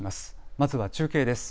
まずは中継です。